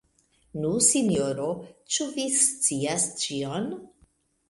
Nu, sinjoro, ĉu vi scias ĉion?